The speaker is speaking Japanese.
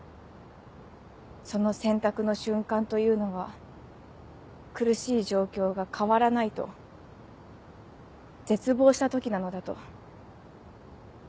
その選択の瞬間というのは苦しい状況が変わらないと絶望した時なのだと。